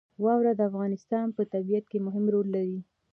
واوره د افغانستان په طبیعت کې مهم رول لري.